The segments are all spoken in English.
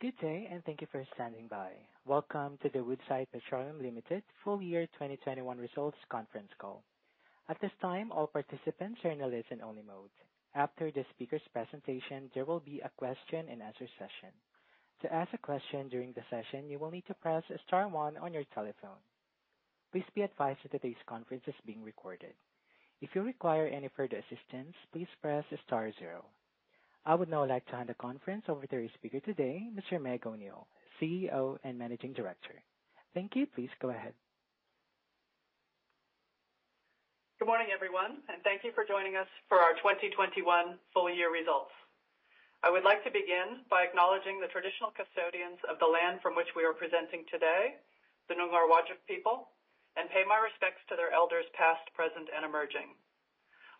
Good day, and thank you for standing by. Welcome to the Woodside Petroleum Limited Full Year 2021 Results Conference Call. At this time, all participants are in a listen-only mode. After the speaker's presentation, there will be a question and answer session. To ask a question during the session, you will need to press star one on your telephone. Please be advised that today's conference is being recorded. If you require any further assistance, please press star zero. I would now like to hand the conference over to our speaker today, Meg O'Neill, CEO and Managing Director. Thank you. Please go ahead. Good morning, everyone, and thank you for joining us for our 2021 full-year results. I would like to begin by acknowledging the traditional custodians of the land from which we are presenting today, the Noongar Whadjuk people, and pay my respects to their elders past, present, and emerging.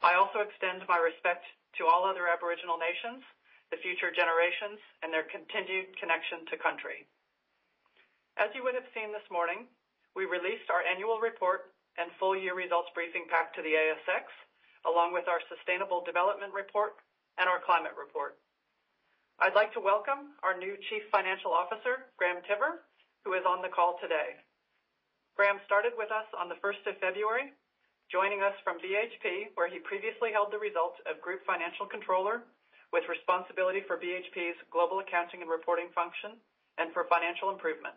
I also extend my respect to all other Aboriginal nations, the future generations, and their continued connection to country. As you would have seen this morning, we released our annual report and full-year results briefing pack to the ASX, along with our sustainable development report and our climate report. I'd like to welcome our new Chief Financial Officer, Graham Tiver, who is on the call today. Graham started with us on the first of February, joining us from BHP, where he previously held the role of Group Financial Controller with responsibility for BHP's Global Accounting and Reporting function and for financial improvement.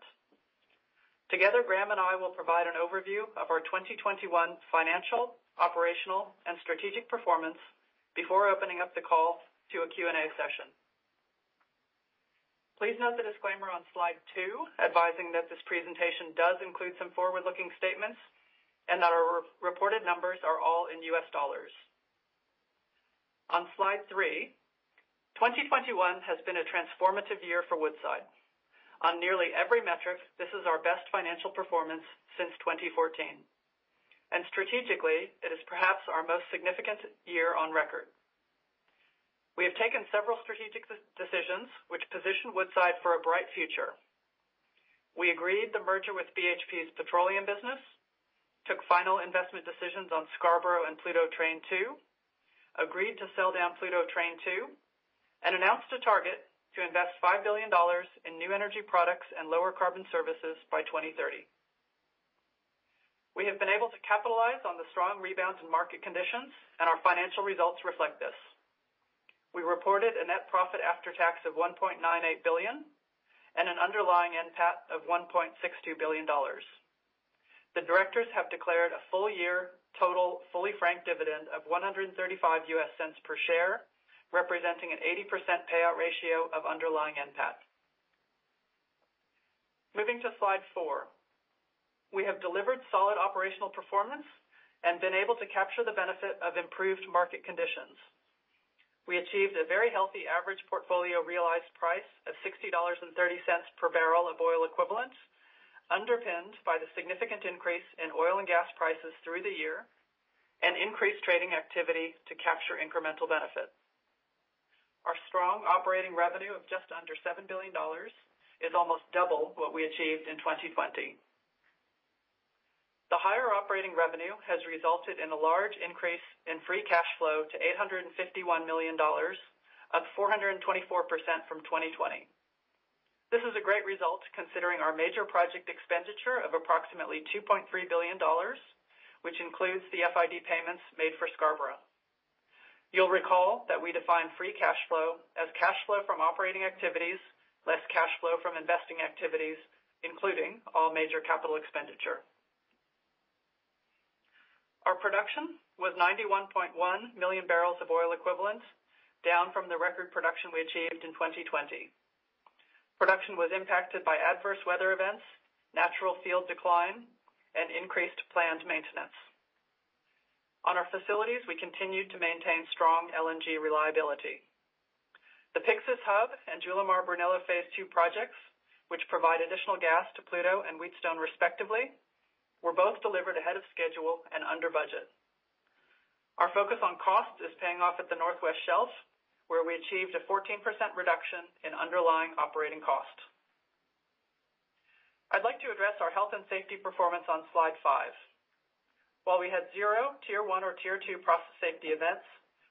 Together, Graham and I will provide an overview of our 2021 financial, operational, and strategic performance before opening up the call to a Q&A session. Please note the disclaimer on slide 2, advising that this presentation does include some forward-looking statements and that our reported numbers are all in US dollars. On slide 3, 2021 has been a transformative year for Woodside. On nearly every metric, this is our best financial performance since 2014, and strategically, it is perhaps our most significant year on record. We have taken several strategic decisions which position Woodside for a bright future. We agreed the merger with BHP's petroleum business, took final investment decisions on Scarborough and Pluto Train Two, agreed to sell down Pluto Train Two, and announced a target to invest $5 billion in new energy products and lower carbon services by 2030. We have been able to capitalize on the strong rebounds in market conditions, and our financial results reflect this. We reported a net profit after tax of $1.98 billion and an underlying NPAT of $1.62 billion. The directors have declared a full-year total fully franked dividend of $1.35 per share, representing an 80% payout ratio of underlying NPAT. Moving to slide four. We have delivered solid operational performance and been able to capture the benefit of improved market conditions. We achieved a very healthy average portfolio realized price of $60.30 per barrel of oil equivalent, underpinned by the significant increase in oil and gas prices through the year and increased trading activity to capture incremental benefits. Our strong operating revenue of just under $7 billion is almost double what we achieved in 2020. The higher operating revenue has resulted in a large increase in free cash flow to $851 million, up 424% from 2020. This is a great result considering our major project expenditure of approximately $2.3 billion, which includes the FID payments made for Scarborough. You'll recall that we define free cash flow as cash flow from operating activities, less cash flow from investing activities, including all major capital expenditure. Our production was 91.1 million barrels of oil equivalent, down from the record production we achieved in 2020. Production was impacted by adverse weather events, natural field decline, and increased planned maintenance. On our facilities, we continued to maintain strong LNG reliability. The Pyxis Hub and Julimar-Brunello Phase Two projects, which provide additional gas to Pluto and Wheatstone, respectively, were both delivered ahead of schedule and under budget. Our focus on cost is paying off at the North West Shelf, where we achieved a 14% reduction in underlying operating cost. I'd like to address our health and safety performance on slide five. While we had 0 Tier 1 or Tier 2 process safety events,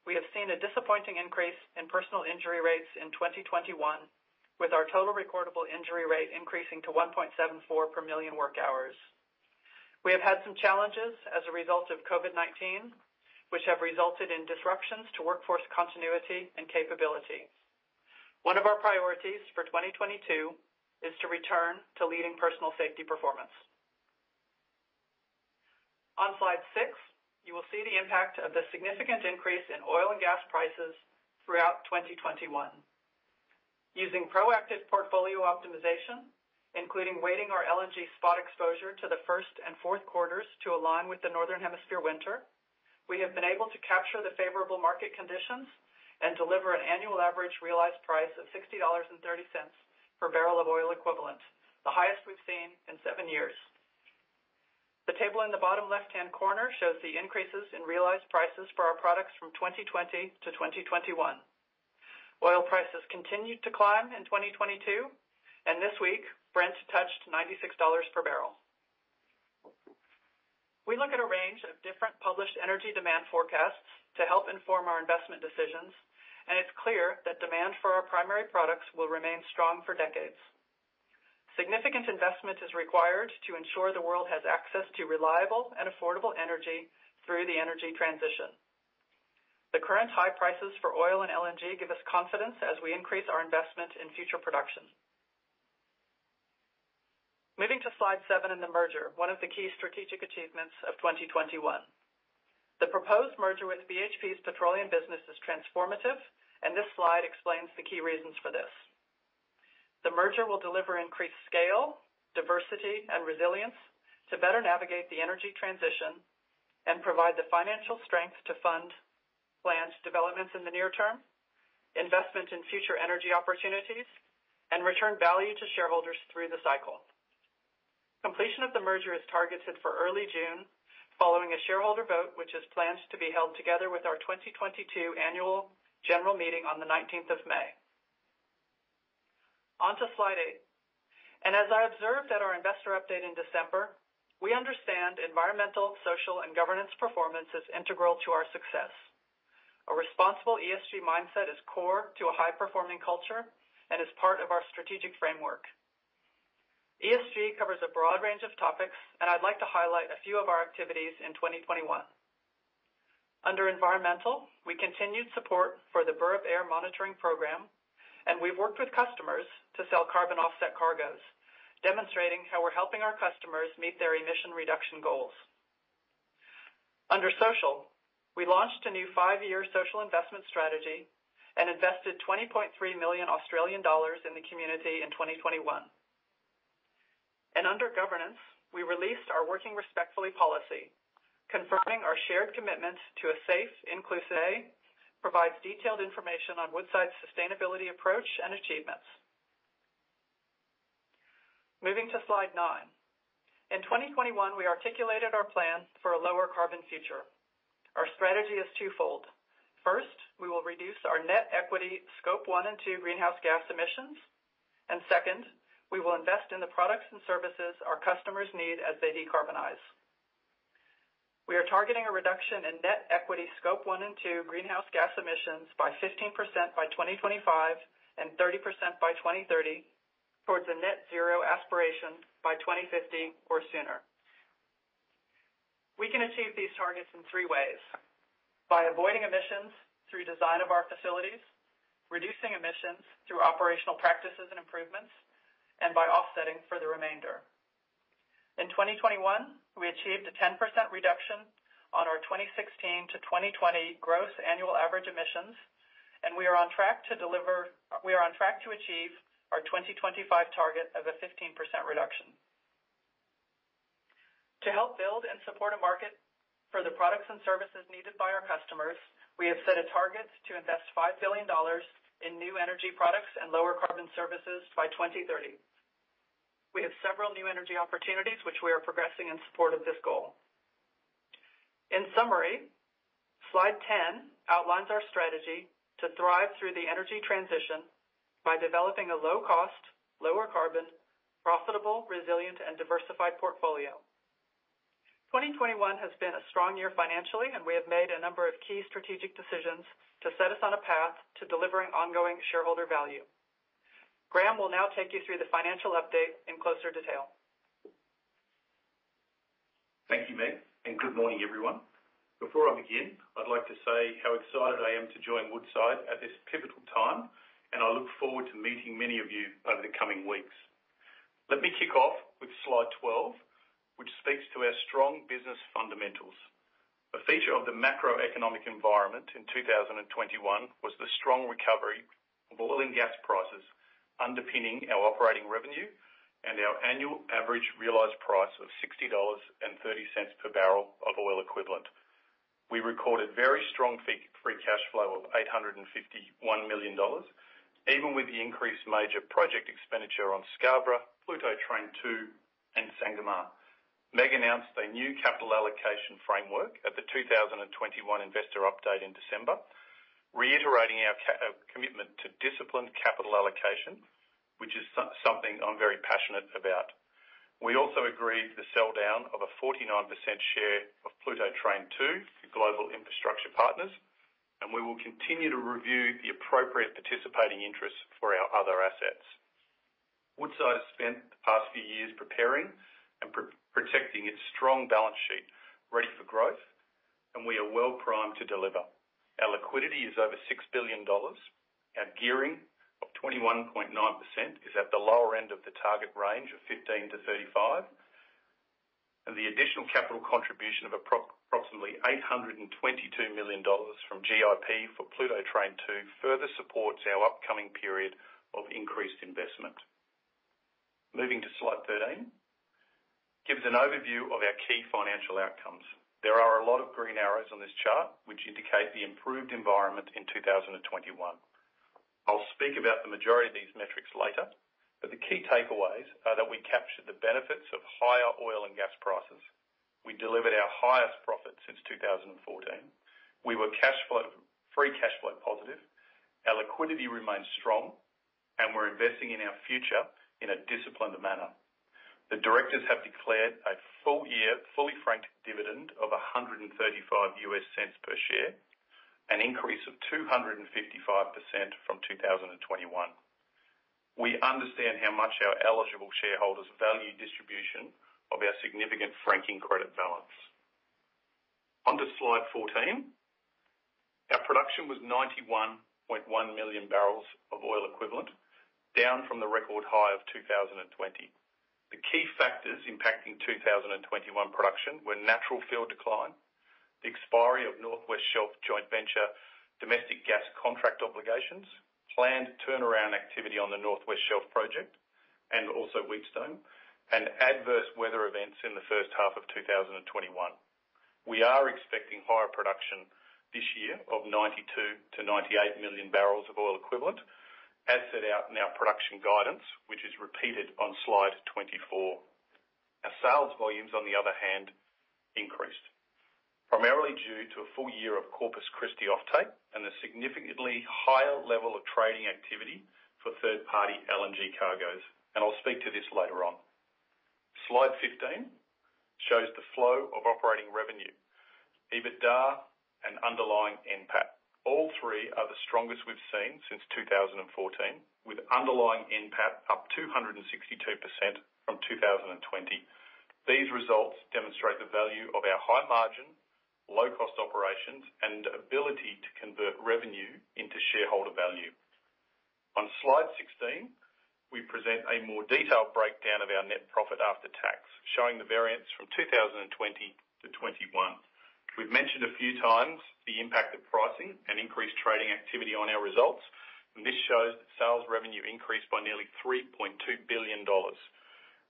we have seen a disappointing increase in personal injury rates in 2021, with our total recordable injury rate increasing to 1.74 per million work hours. We have had some challenges as a result of COVID-19, which have resulted in disruptions to workforce continuity and capability. One of our priorities for 2022 is to return to leading personal safety performance. On slide six, you will see the impact of the significant increase in oil and gas prices throughout 2021. Using proactive portfolio optimization, including weighting our LNG spot exposure to the first and fourth quarters to align with the Northern Hemisphere winter, we have been able to capture the favorable market conditions and deliver an annual average realized price of $60.30 per barrel of oil equivalent, the highest we've seen in 7 years. The table in the bottom left-hand corner shows the increases in realized prices for our products from 2020-2021. Oil prices continued to climb in 2022, and this week Brent touched $96 per barrel. We look at a range of different published energy demand forecasts to help inform our investment decisions, and it's clear that demand for our primary products will remain strong for decades. Significant investment is required to ensure the world has access to reliable and affordable energy through the energy transition. The current high prices for oil and LNG give us confidence as we increase our investment in future production. Moving to slide seven in the merger, one of the key strategic achievements of 2021. The proposed merger with BHP's petroleum business is transformative, and this slide explains the key reasons for this. The merger will deliver increased scale, diversity, and resilience to better navigate the energy transition and provide the financial strength to fund planned developments in the near term, investment in future energy opportunities, and return value to shareholders through the cycle. Completion of the merger is targeted for early June, following a shareholder vote, which is planned to be held together with our 2022 annual general meeting on the 19th of May. On to slide eight. As I observed at our investor update in December, we understand environmental, social, and governance performance is integral to our success. A responsible ESG mindset is core to a high-performing culture and is part of our strategic framework. ESG covers a broad range of topics, and I'd like to highlight a few of our activities in 2021. Under environmental, we continued support for the Burrup Ambient Air Monitoring Program, and we've worked with customers to sell carbon offset cargoes, demonstrating how we're helping our customers meet their emission reduction goals. Under social, we launched a new five-year social investment strategy and invested 20.3 million Australian dollars in the community in 2021. Under governance, we released our Working Respectfully policy, confirming our shared commitment to a safe, inclusive. Moving to slide nine. In 2021, we articulated our plan for a lower carbon future. Our strategy is twofold. First, we will reduce our net equity Scope 1 and 2 greenhouse gas emissions. Second, we will invest in the products and services our customers need as they decarbonize. We are targeting a reduction in net equity Scope 1 and 2 greenhouse gas emissions by 15% by 2025 and 30% by 2030 towards a net zero aspiration by 2050 or sooner. We can achieve these targets in three ways, by avoiding emissions through design of our facilities, reducing emissions through operational practices and improvements, and by offsetting for the remainder. In 2021, we achieved a 10% reduction on our 2016 to 2020 gross annual average emissions, and we are on track to achieve our 2025 target of a 15% reduction. To help build and support a market for the products and services needed by our customers, we have set a target to invest $5 billion in new energy products and lower carbon services by 2030. We have several new energy opportunities which we are progressing in support of this goal. In summary, slide 10 outlines our strategy to thrive through the energy transition by developing a low cost, lower carbon, profitable, resilient, and diversified portfolio. 2021 has been a strong year financially, and we have made a number of key strategic decisions to set us on a path to delivering ongoing shareholder value. Graham will now take you through the financial update in closer detail. Thank you, Meg, and good morning, everyone. Before I begin, I'd like to say how excited I am to join Woodside at this pivotal time, and I look forward to meeting many of you over the coming weeks. Let me kick off with slide 12, which speaks to our strong business fundamentals. A feature of the macroeconomic environment in 2021 was the strong recovery of oil and gas prices underpinning our operating revenue and our annual average realized price of $60.30 per barrel of oil equivalent. We recorded very strong free cash flow of $851 million, even with the increased major project expenditure on Scarborough, Pluto Train 2, and Sangomar. Meg announced a new capital allocation framework at the 2021 investor update in December, reiterating our commitment to disciplined capital allocation, which is something I'm very passionate about. We also agreed the sell down of a 49% share of Pluto Train 2 to Global Infrastructure Partners, and we will continue to review the appropriate participating interests for our other assets. Woodside has spent the past few years preparing and protecting its strong balance sheet ready for growth, and we are well primed to deliver. Our liquidity is over $6 billion. Our gearing of 21.9% is at the lower end of the target range of 15%-35%. The additional capital contribution of approximately $822 million from GIP for Pluto Train 2 further supports our upcoming period of increased investment. Moving to slide 13, gives an overview of our key financial outcomes. There are a lot of green arrows on this chart which indicate the improved environment in 2021. I'll speak about the majority of these metrics later, but the key takeaways are that we captured the benefits of higher oil and gas prices. We delivered our highest profit since 2014. We were cash flow, free cash flow positive. Our liquidity remains strong. We're investing in our future in a disciplined manner. The directors have declared a full year, fully franked dividend of $1.35 per share, an increase of 255% from 2021. We understand how much our eligible shareholders value distribution of our significant franking credit balance. On to slide 14. Our production was 91.1 million barrels of oil equivalent, down from the record high of 2020. The key factors impacting 2021 production were natural field decline, the expiry of North West Shelf joint venture, domestic gas contract obligations, planned turnaround activity on the North West Shelf project, and also Wheatstone, and adverse weather events in the first half of 2021. We are expecting higher production this year of 92-98 million barrels of oil equivalent, as set out in our production guidance, which is repeated on slide 24. Our sales volumes, on the other hand, increased primarily due to a full year of Corpus Christi offtake and a significantly higher level of trading activity for third-party LNG cargos. I'll speak to this later on. Slide 15 shows the flow of operating revenue, EBITDA and underlying NPAT. All three are the strongest we've seen since 2014, with underlying NPAT up 262% from 2020. These results demonstrate the value of our high margin, low-cost operations and ability to convert revenue into shareholder value. On slide 16, we present a more detailed breakdown of our net profit after tax, showing the variance from 2020 to 2021. We've mentioned a few times the impact of pricing and increased trading activity on our results, and this shows that sales revenue increased by nearly $3.2 billion.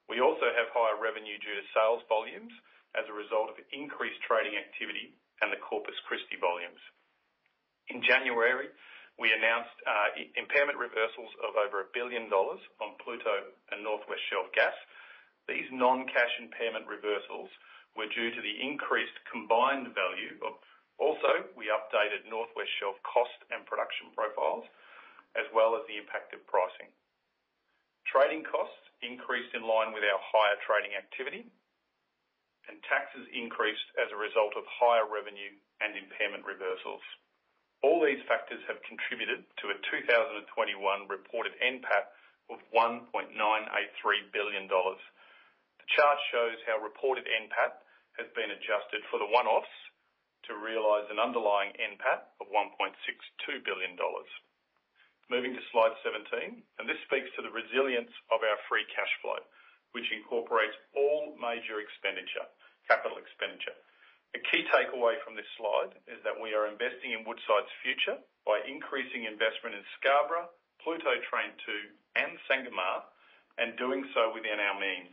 We also have higher revenue due to sales volumes as a result of increased trading activity and the Corpus Christi volumes. In January, we announced impairment reversals of over $1 billion on Pluto and North West Shelf gas. These non-cash impairment reversals were due to the increased combined value of. Also we updated North West Shelf cost and production profiles as well as the impact of pricing. Trading costs increased in line with our higher trading activity, and taxes increased as a result of higher revenue and impairment reversals. All these factors have contributed to a 2021 reported NPAT of $1.983 billion. The chart shows how reported NPAT has been adjusted for the one-offs to realize an underlying NPAT of $1.62 billion. Moving to slide 17, this speaks to the resilience of our free cash flow, which incorporates all major expenditure, capital expenditure. A key takeaway from this slide is that we are investing in Woodside's future by increasing investment in Scarborough, Pluto Train 2, and Sangomar, and doing so within our means.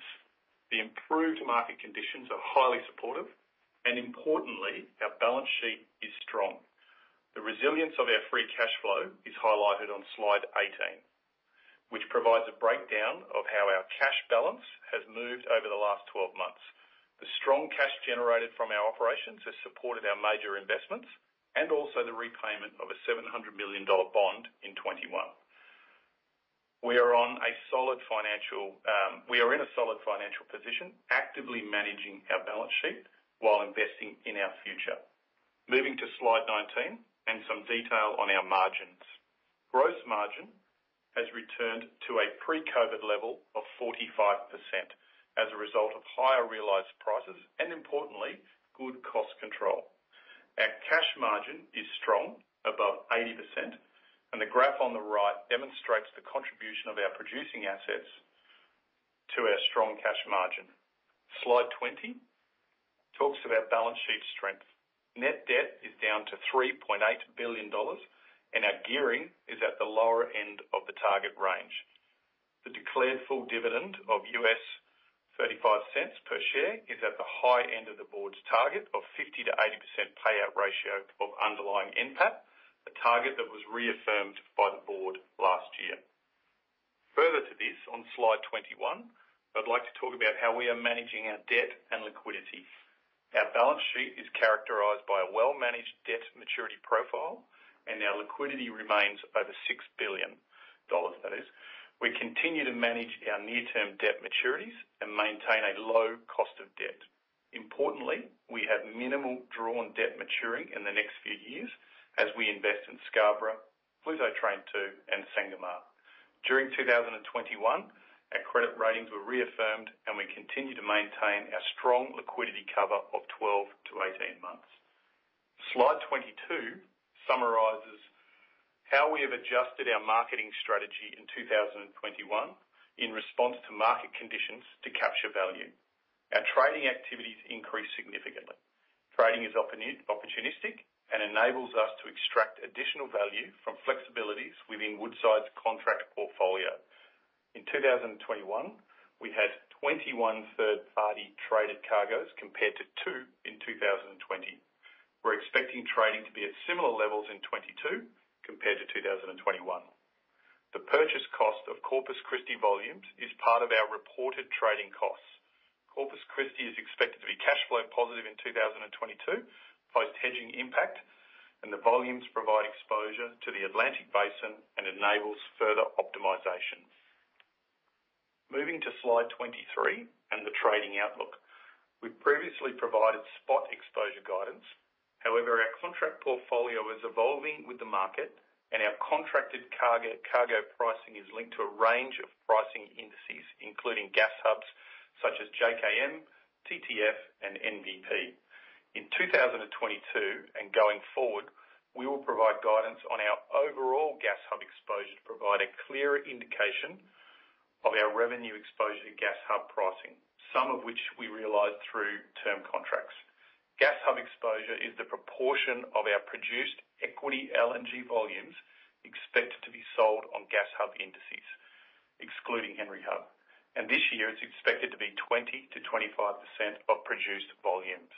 The improved market conditions are highly supportive and importantly, our balance sheet is strong. The resilience of our free cash flow is highlighted on slide 18, which provides a breakdown of how our cash balance has moved over the last 12 months. The strong cash generated from our operations has supported our major investments and also the repayment of a $700 million bond in 2021. We are in a solid financial position, actively managing our balance sheet while investing in our future. Moving to slide 19 and some detail on our margins. Gross margin has returned to a pre-COVID level of 45% as a result of higher realized prices and importantly, good cost control. Our cash margin is strong, above 80%, and the graph on the right demonstrates the contribution of our producing assets to our strong cash margin. Slide 20 talks about balance sheet strength. Net debt is down to $3.8 billion, and our gearing is at the lower end of the target range. The declared full dividend of $0.35 per share is at the high end of the board's target of 50%-80% payout ratio of underlying NPAT, a target that was reaffirmed by the board last year. Further to this, on Slide 21, I'd like to talk about how we are managing our debt and liquidity. Our balance sheet is characterized by a well-managed debt maturity profile and our liquidity remains over $6 billion. We continue to manage our near-term debt maturities and maintain a low cost of debt. Importantly, we have minimal drawn debt maturing in the next few years as we invest in Scarborough, Pluto Train 2 and Sangomar. During 2021, our credit ratings were reaffirmed, and we continue to maintain our strong liquidity cover of 12-18 months. Slide 22 summarizes how we have adjusted our marketing strategy in 2021 in response to market conditions to capture value. Our trading activities increased significantly. Trading is opportunistic and enables us to extract additional value from flexibilities within Woodside's contract portfolio. In 2021, we had 21 third-party traded cargoes compared to 2 in 2020. We're expecting trading to be at similar levels in 2022 compared to 2021. The purchase cost of Corpus Christi volumes is part of our reported trading costs. Corpus Christi is expected to be cash flow positive in 2022, post-hedging impact, and the volumes provide exposure to the Atlantic basin and enables further optimization. Moving to slide 23 and the trading outlook. We previously provided spot exposure guidance. However, our contract portfolio is evolving with the market, and our contracted cargo pricing is linked to a range of pricing indices, including gas hubs such as JKM, TTF, and NBP. In 2022 and going forward, we will provide guidance on our overall gas hub exposure to provide a clearer indication of our revenue exposure to gas hub pricing, some of which we realize through term contracts. Gas hub exposure is the proportion of our produced equity LNG volumes expected to be sold on gas hub indices, excluding Henry Hub. This year it's expected to be 20%-25% of produced volumes.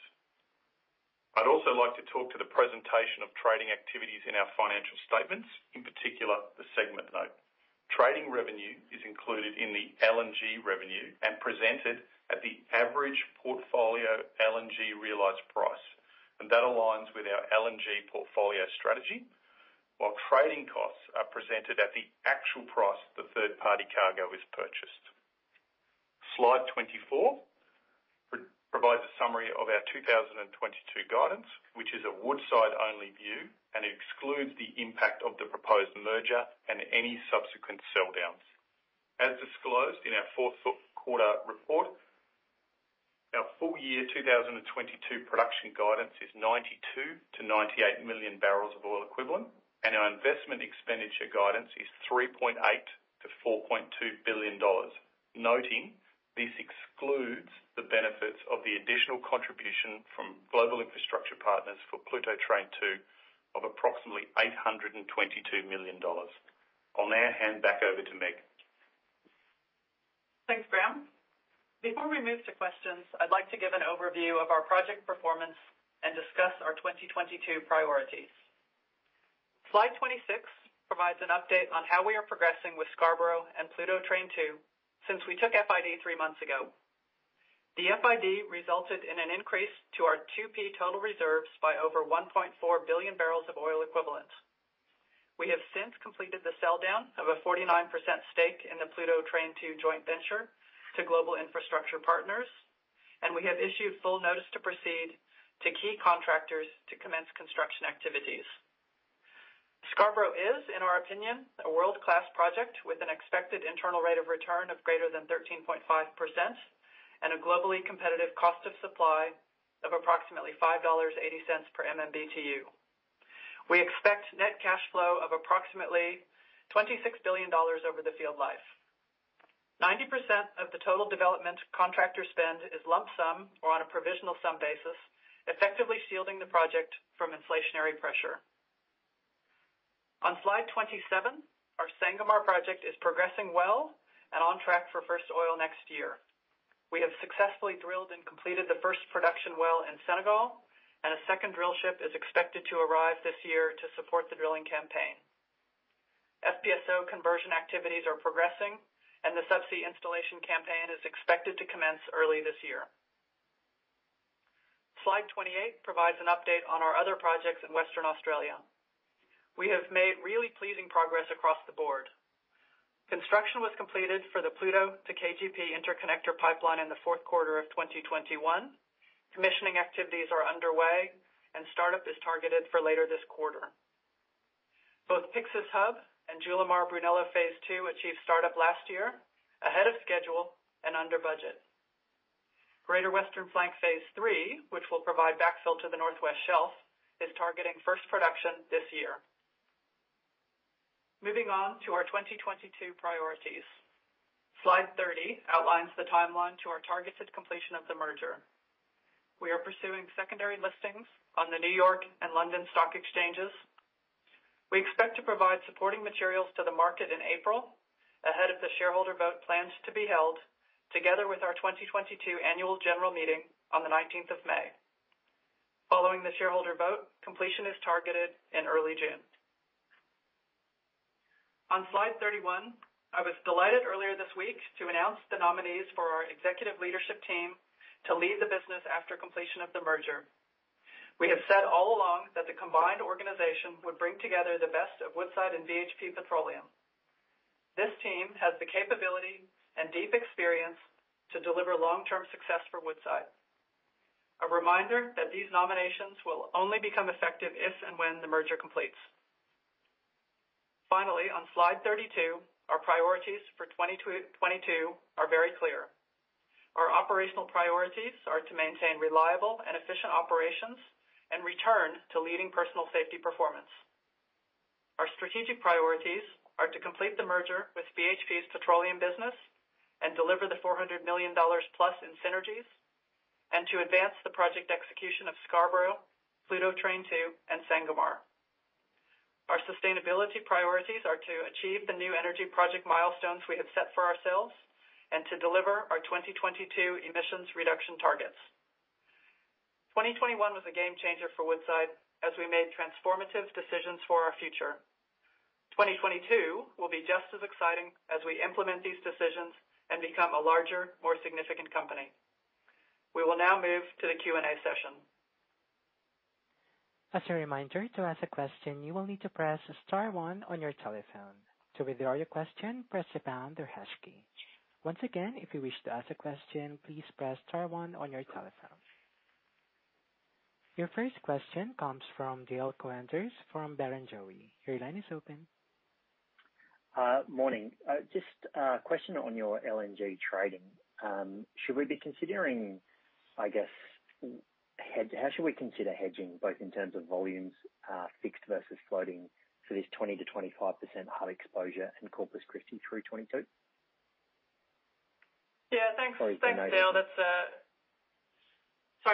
I'd also like to talk to the presentation of trading activities in our financial statements, in particular, the segment note. Trading revenue is included in the LNG revenue and presented at the average portfolio LNG realized price. That aligns with our LNG portfolio strategy, while trading costs are presented at the actual price the third party cargo is purchased. Slide 24 provides a summary of our 2022 guidance, which is a Woodside only view, and excludes the impact of the proposed merger and any subsequent sell downs. As disclosed in our fourth quarter report, our full year 2022 production guidance is 92-98 million barrels of oil equivalent, and our investment expenditure guidance is $3.8 billion-$4.2 billion. Noting this excludes the benefits of the additional contribution from Global Infrastructure Partners for Pluto Train 2 of approximately $822 million. I'll now hand back over to Meg. Thanks, Graham. Before we move to questions, I'd like to give an overview of our project performance and discuss our 2022 priorities. Slide 26 provides an update on how we are progressing with Scarborough and Pluto Train Two since we took FID three months ago. The FID resulted in an increase to our 2P total reserves by over 1.4 billion barrels of oil equivalent. We have since completed the sell down of a 49% stake in the Pluto Train Two joint venture to Global Infrastructure Partners, and we have issued full notice to proceed to key contractors to commence construction activities. Scarborough is, in our opinion, a world-class project with an expected internal rate of return of greater than 13.5% and a globally competitive cost of supply of approximately $5.80 per MMBtu. We expect net cash flow of approximately $26 billion over the field life. 90% of the total development contractor spend is lump sum or on a provisional sum basis, effectively shielding the project from inflationary pressure. On slide 27, our Sangomar project is progressing well and on track for first oil next year. We have successfully drilled and completed the first production well in Senegal, and a second drill ship is expected to arrive this year to support the drilling campaign. FPSO conversion activities are progressing and the subsea installation campaign is expected to commence early this year. Slide 28 provides an update on our other projects in Western Australia. We have made really pleasing progress across the board. Construction was completed for the Pluto to KGP interconnector pipeline in the fourth quarter of 2021. Commissioning activities are underway and startup is targeted for later this quarter. Both Pyxis Hub and Julimar-Brunello Phase Two achieved startup last year ahead of schedule and under budget. Greater Western Flank Phase Three, which will provide backfill to the Northwest Shelf, is targeting first production this year. Moving on to our 2022 priorities. Slide 30 outlines the timeline to our targeted completion of the merger. We are pursuing secondary listings on the New York and London stock exchanges. We expect to provide supporting materials to the market in April ahead of the shareholder vote planned to be held together with our 2022 annual general meeting on the nineteenth of May. Following the shareholder vote, completion is targeted in early June. On slide 31, I was delighted earlier this week to announce the nominees for our executive leadership team to lead the business after completion of the merger. We have said all along that the combined organization would bring together the best of Woodside and BHP Petroleum. This team has the capability and deep experience to deliver long-term success for Woodside. A reminder that these nominations will only become effective if and when the merger completes. Finally, on slide 32, our priorities for 2022 are very clear. Our operational priorities are to maintain reliable and efficient operations and return to leading personal safety performance. Our strategic priorities are to complete the merger with BHP's petroleum business and deliver the $400 million+ in synergies, and to advance the project execution of Scarborough, Pluto Train 2, and Sangomar. Our sustainability priorities are to achieve the new energy project milestones we have set for ourselves and to deliver our 2022 emissions reduction targets. 2021 was a game changer for Woodside as we made transformative decisions for our future. 2022 will be just as exciting as we implement these decisions and become a larger, more significant company. We will now move to the Q&A session. As a reminder, to ask a question, you will need to press star one on your telephone. To withdraw your question, press the pound or hash key. Once again, if you wish to ask a question, please press star one on your telephone. Your first question comes from Dale Koenders from Barrenjoey. Your line is open. Morning. Just a question on your LNG trading. How should we consider hedging, both in terms of volumes, fixed versus floating for this 20%-25% hub exposure in Corpus Christi through 2022? Yeah, thanks, Dale. Sorry,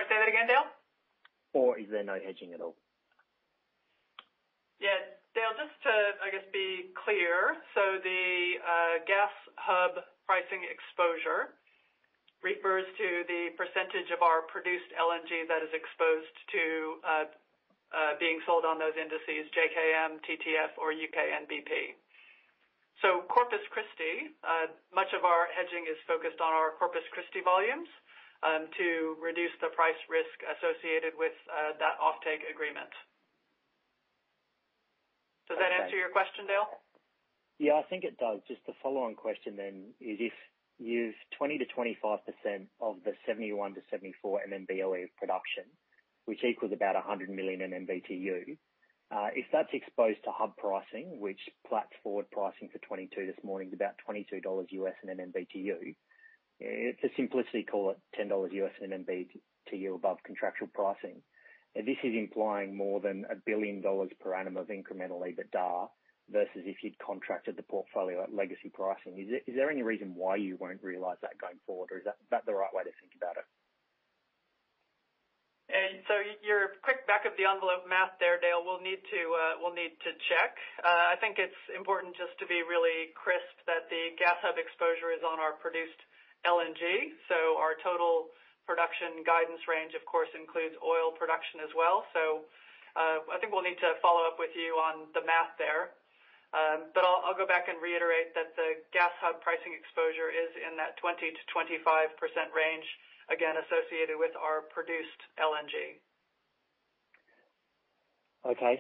say that again, Dale? Is there no hedging at all? Yeah. Dale, just to, I guess, be clear. The gas hub pricing exposure refers to the percentage of our produced LNG that is exposed to being sold on those indices, JKM, TTF or UK NBP. Corpus Christi, much of our hedging is focused on our Corpus Christi volumes, to reduce the price risk associated with that offtake agreement. Okay. Does that answer your question, Dale? Yeah, I think it does. Just the follow-on question then is, if you've 20%-25% of the 71-74 MMBOE of production, which equals about 100 million MMBtu, if that's exposed to hub pricing, which Platts forward pricing for 2022 this morning is about $22/MMBtu. For simplicity, call it $10/MMBtu above contractual pricing. This is implying more than $1 billion per annum of incremental EBITDA versus if you'd contracted the portfolio at legacy pricing. Is there any reason why you won't realize that going forward or is that the right way to think about it? Your quick back of the envelope math there, Dale. We'll need to check. I think it's important just to be really crisp that the gas hub exposure is on our produced LNG. Our total production guidance range, of course, includes oil production as well. I think we'll need to follow up with you on the math there. I'll go back and reiterate that the gas hub pricing exposure is in that 20%-25% range, again, associated with our produced LNG. Okay.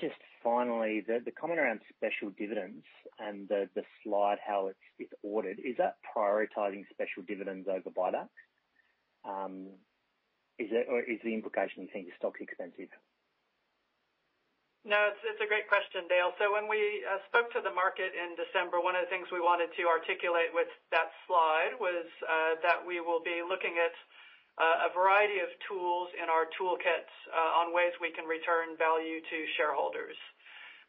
Just finally, the comment around special dividends and the slide, how it's ordered. Is that prioritizing special dividends over buybacks? Is it or is the implication you think the stock's expensive? No, it's a great question, Dale. When we spoke to the market in December, one of the things we wanted to articulate with that slide was that we will be looking at a variety of tools in our toolkits on ways we can return value to shareholders.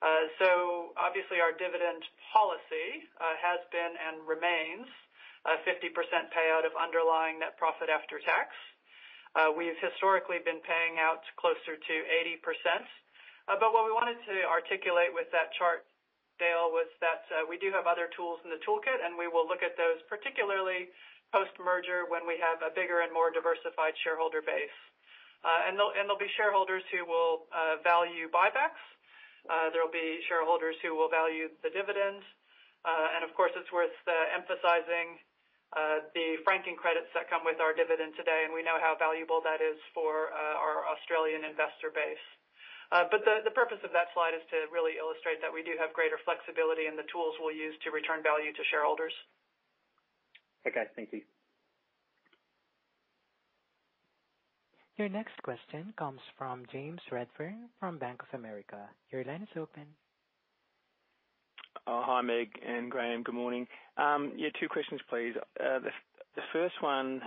Obviously, our dividend policy has been and remains a 50% payout of underlying net profit after tax. We've historically been paying out closer to 80%. But what we wanted to articulate with that chart, Dale, was that we do have other tools in the toolkit, and we will look at those, particularly post-merger, when we have a bigger and more diversified shareholder base. There'll be shareholders who will value buybacks. There will be shareholders who will value the dividends. Of course, it's worth emphasizing the franking credits that come with our dividend today, and we know how valuable that is for our Australian investor base. The purpose of that slide is to really illustrate that we do have greater flexibility in the tools we'll use to return value to shareholders. Okay. Thank you. Your next question comes from James Redfern from Bank of America. Your line is open. Hi, Meg and Graham. Good morning. Yeah, two questions, please. The first one,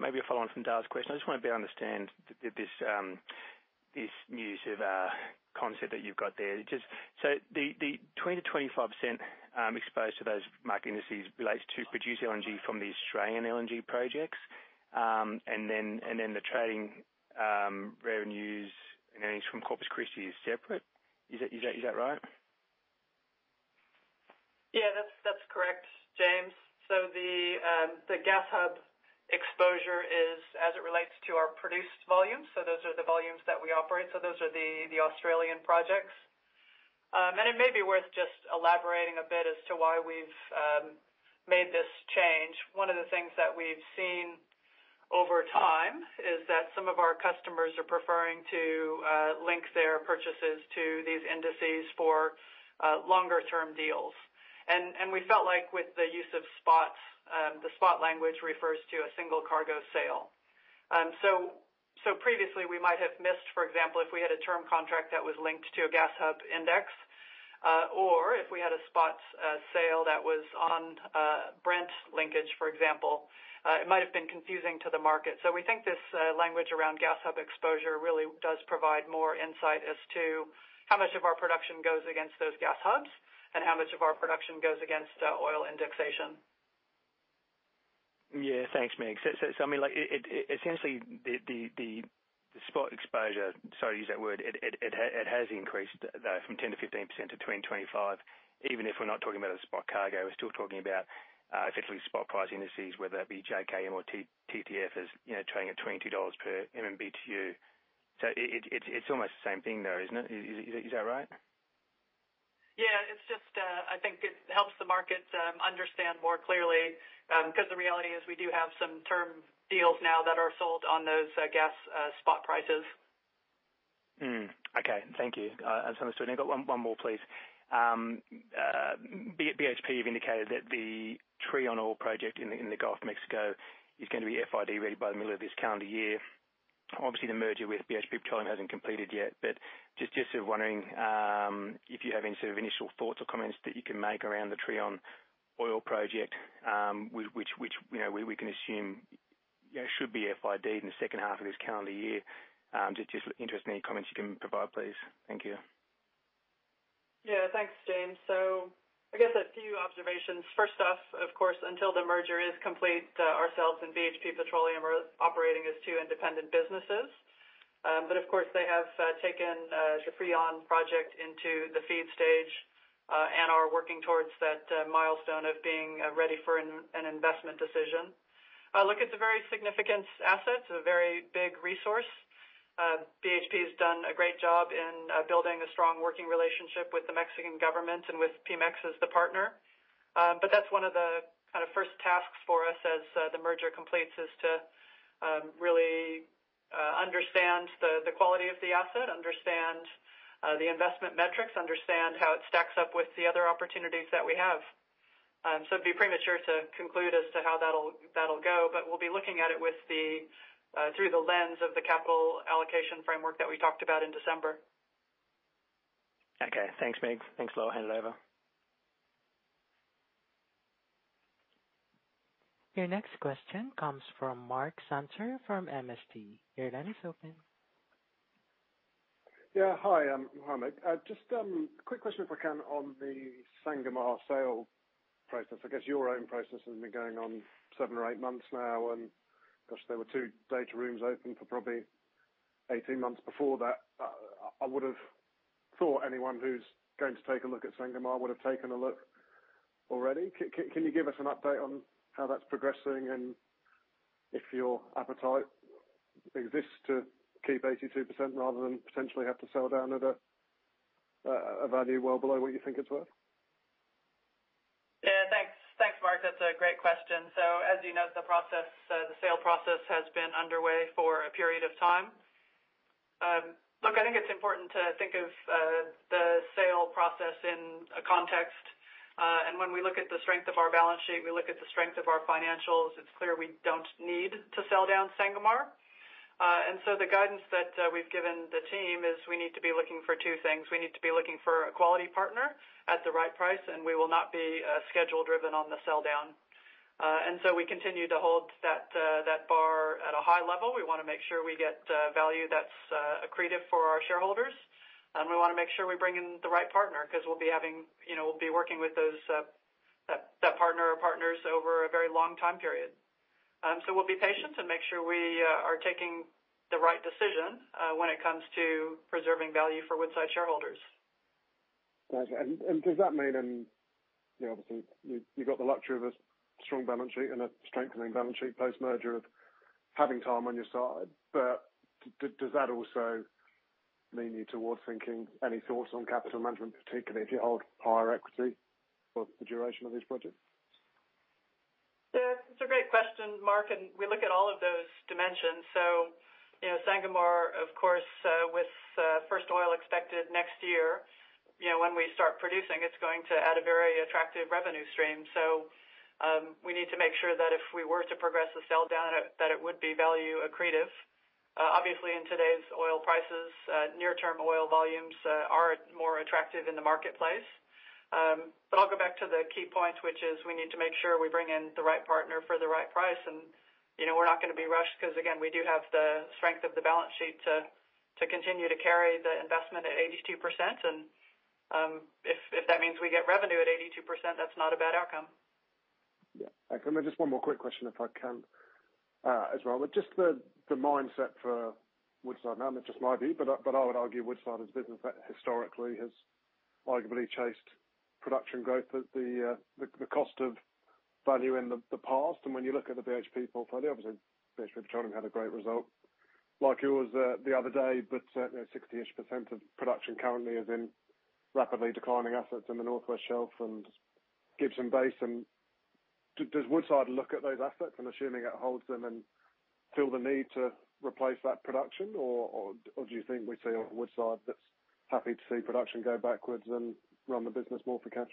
maybe a follow-on from Dale's question. I just want to understand this use of a concept that you've got there. Just so the 20%-25% exposed to those market indices relates to produced LNG from the Australian LNG projects. And then the trading revenues and earnings from Corpus Christi is separate. Is that right? Yeah, that's correct, James. The gas hub exposure is as it relates to our produced volumes. Those are the volumes that we operate. Those are the Australian projects. It may be worth just elaborating a bit as to why we've made this change. One of the things that we've seen over time is that some of our customers are preferring to link their purchases to these indices for longer-term deals. We felt like with the use of spots, the spot language refers to a single cargo sale. Previously we might have missed, for example, if we had a term contract that was linked to a gas hub index, or if we had a spot sale that was on Brent linkage, for example, it might have been confusing to the market. We think this language around gas hub exposure really does provide more insight as to how much of our production goes against those gas hubs and how much of our production goes against oil indexation. Yeah. Thanks, Meg. I mean, like essentially the spot exposure, sorry to use that word, it has increased from 10%-15% to 20%-25%. Even if we're not talking about a spot cargo, we're still talking about effectively spot price indices, whether that be JKM or TTF as, you know, trading at $22 per MMBtu. It's almost the same thing though, isn't it? Is that right? Yeah, it's just, I think it helps the markets understand more clearly, 'cause the reality is we do have some term deals now that are sold on those, I guess, spot prices. Okay. Thank you. That's understood. I've got one more, please. BHP have indicated that the Trion Oil project in the Gulf of Mexico is gonna be FID ready by the middle of this calendar year. Obviously, the merger with BHP Petroleum hasn't completed yet. Just sort of wondering if you have any sort of initial thoughts or comments that you can make around the Trion Oil project, which, you know, we can assume, you know, should be FID in the second half of this calendar year. Just interested in any comments you can provide, please. Thank you. Yeah. Thanks, James. I guess a few observations. First off, of course, until the merger is complete, ourselves and BHP Petroleum are operating as two independent businesses. Of course, they have taken the Trion project into the feed stage and are working towards that milestone of being ready for an investment decision. Look, it's a very significant asset, a very big resource. BHP has done a great job in building a strong working relationship with the Mexican government and with Pemex as the partner. That's one of the kinda first tasks for us as the merger completes, is to really understand the quality of the asset, understand the investment metrics, understand how it stacks up with the other opportunities that we have. It'd be premature to conclude as to how that'll go, but we'll be looking at it through the lens of the capital allocation framework that we talked about in December. Okay. Thanks, Meg. Thanks, Laura. Hand it over. Your next question comes from Mark Samter from MST. Your line is open. Yeah, hi, Meg O'Neill. Just quick question if I can on the Sangomar sale process. I guess your own process has been going on 7 or 8 months now, and gosh, there were two data rooms open for probably 18 months before that. I would've thought anyone who's going to take a look at Sangomar would've taken a look already. Can you give us an update on how that's progressing and if your appetite exists to keep 82% rather than potentially have to sell down at a value well below what you think it's worth? Yeah, thanks. Thanks, Mark. That's a great question. As you know, the process, the sale process has been underway for a period of time. Look, I think it's important to think of the sale process in a context. When we look at the strength of our balance sheet, we look at the strength of our financials, it's clear we don't need to sell down Sangomar. The guidance that we've given the team is we need to be looking for two things. We need to be looking for a quality partner at the right price, and we will not be schedule driven on the sell down. We continue to hold that bar at a high level. We wanna make sure we get value that's accretive for our shareholders. We wanna make sure we bring in the right partner, 'cause we'll be having, you know, we'll be working with those, that partner or partners over a very long time period. We'll be patient and make sure we are taking the right decision, when it comes to preserving value for Woodside shareholders. Gotcha. Does that mean then, you know, obviously you've got the luxury of a strong balance sheet and a strengthening balance sheet post-merger of having time on your side. Does that also lean you towards thinking any thoughts on capital management, particularly if you hold higher equity for the duration of these projects? Yeah. It's a great question, Mark, and we look at all of those dimensions. You know, Sangomar, of course, with first oil expected next year, you know, when we start producing, it's going to add a very attractive revenue stream. We need to make sure that if we were to progress the sell down, that it would be value accretive. Obviously in today's oil prices, near term oil volumes are more attractive in the marketplace. But I'll go back to the key points, which is we need to make sure we bring in the right partner for the right price. You know, we're not gonna be rushed, 'cause again, we do have the strength of the balance sheet to continue to carry the investment at 82%. If that means we get revenue at 82%, that's not a bad outcome. Yeah. Can I just one more quick question if I can, as well. Just the mindset for Woodside. Now, it's just my view, but I would argue Woodside as a business that historically has arguably chased production growth at the cost of value in the past. When you look at the BHP portfolio, obviously BHP Petroleum had a great result, like yours, the other day, but you know, 60% of production currently is in rapidly declining assets in the Northwest Shelf and Gippsland Basin. Does Woodside look at those assets and assuming it holds them and feel the need to replace that production or do you think we see a Woodside that's happy to see production go backwards and run the business more for cash?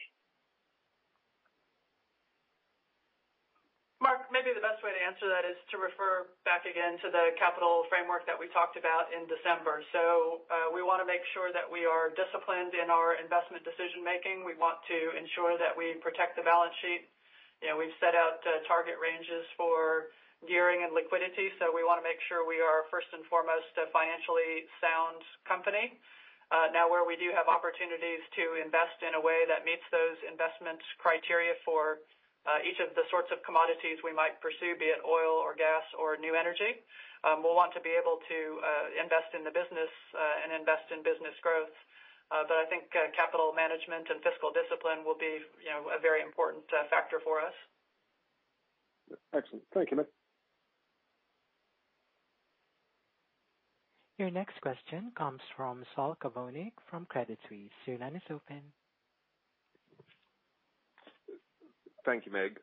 Mark, maybe the best way to answer that is to refer back again to the capital framework that we talked about in December. We wanna make sure that we are disciplined in our investment decision-making. We want to ensure that we protect the balance sheet. You know, we've set out target ranges for gearing and liquidity, so we wanna make sure we are first and foremost. Now where we do have opportunities to invest in a way that meets those investment criteria for each of the sorts of commodities we might pursue, be it oil or gas or new energy, we'll want to be able to invest in the business and invest in business growth. I think capital management and fiscal discipline will be, you know, a very important factor for us. Excellent. Thank you, Meg. Your next question comes from Saul Kavonic from Credit Suisse. Your line is open. Thank you, Meg.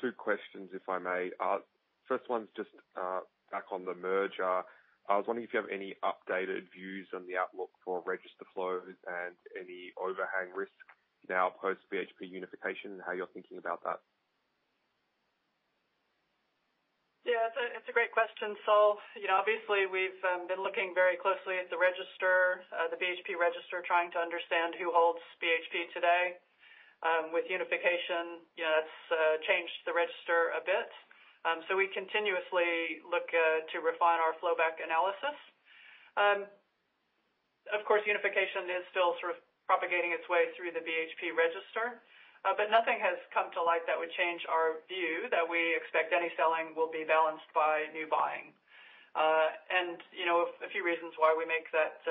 Two questions if I may. First one's just back on the merger. I was wondering if you have any updated views on the outlook for register flows and any overhang risk now post-BHP unification and how you're thinking about that. Yeah, it's a great question, Saul. You know, obviously, we've been looking very closely at the register, the BHP register, trying to understand who holds BHP today. With unification, you know, that's changed the register a bit. We continuously look to refine our flowback analysis. Of course, unification is still sort of propagating its way through the BHP register. Nothing has come to light that would change our view that we expect any selling will be balanced by new buying. You know, a few reasons why we make that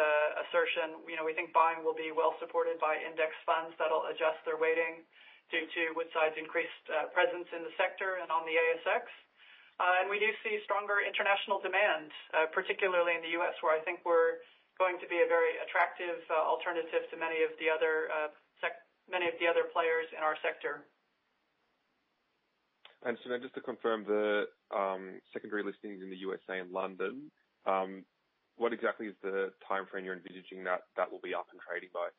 assertion. You know, we think buying will be well supported by index funds that'll adjust their weighting due to Woodside's increased presence in the sector and on the ASX. We do see stronger international demand, particularly in the U.S., where I think we're going to be a very attractive alternative to many of the other players in our sector. Just to confirm the secondary listings in the USA and London, what exactly is the timeframe you're envisaging that will be up and trading by?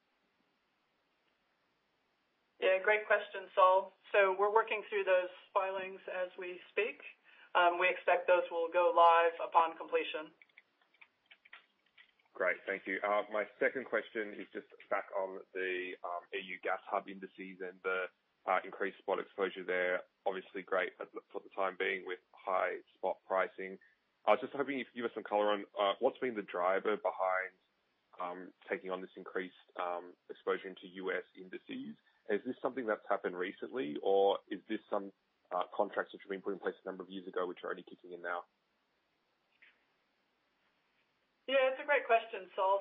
Yeah, great question, Saul. We're working through those filings as we speak. We expect those will go live upon completion. Great. Thank you. My second question is just back on the EU Gas Hub indices and the increased spot exposure there. Obviously great for the time being with high spot pricing. I was just hoping you could give us some color on what's been the driver behind taking on this increased exposure into US indices. Is this something that's happened recently, or is this some contracts which have been put in place a number of years ago, which are only kicking in now? Yeah, it's a great question, Saul.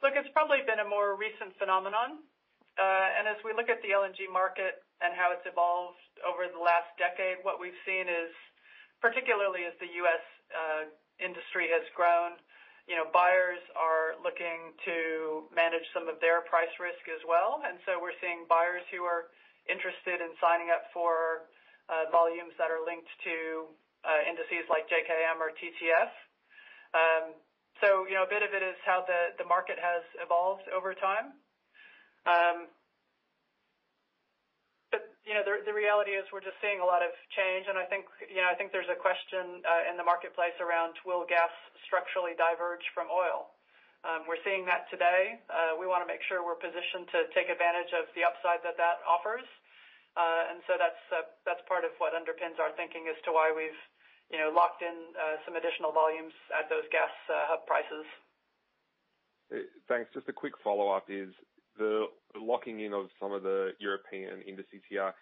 Look, it's probably been a more recent phenomenon. As we look at the LNG market and how it's evolved over the last decade, what we've seen is, particularly as the U.S. industry has grown, you know, buyers are looking to manage some of their price risk as well. We're seeing buyers who are interested in signing up for volumes that are linked to indices like JKM or TTF. You know, a bit of it is how the market has evolved over time. You know, the reality is we're just seeing a lot of change. I think, you know, there's a question in the marketplace around will gas structurally diverge from oil. We're seeing that today. We wanna make sure we're positioned to take advantage of the upside that that offers. That's part of what underpins our thinking as to why we've, you know, locked in some additional volumes at those gas hub prices. Thanks. Just a quick follow-up: is the locking in of some of the European indices TR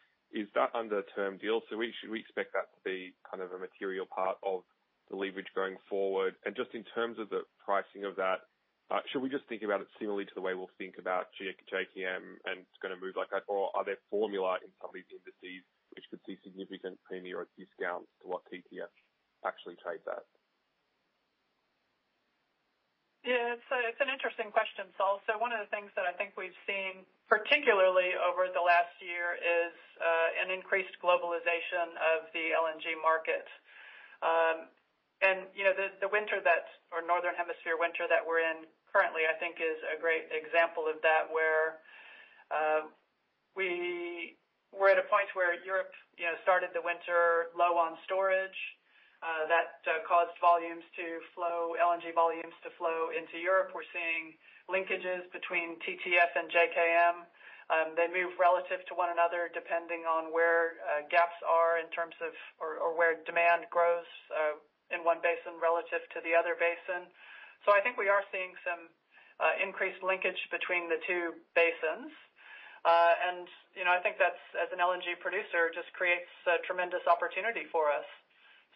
under a term deal? We expect that to be kind of a material part of the leverage going forward. Just in terms of the pricing of that, should we just think about it similarly to the way we'll think about JK-JKM, and it's gonna move like that? Or are there formulas in some of these indices which could see significant premiums or discounts to what TTF actually trades at? Yeah. It's an interesting question, Saul. One of the things that I think we've seen, particularly over the last year, is an increased globalization of the LNG market. You know, the winter or Northern Hemisphere winter that we're in currently, I think is a great example of that, where we were at a point where Europe, you know, started the winter low on storage. That caused volumes to flow, LNG volumes to flow into Europe. We're seeing linkages between TTF and JKM. They move relative to one another depending on where gaps are in terms of or where demand grows in one basin relative to the other basin. I think we are seeing some increased linkage between the two basins. You know, I think that's, as an LNG producer, just creates a tremendous opportunity for us.